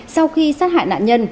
sau khi sát hại nạn nhân